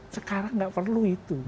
sekarang gak perlu itu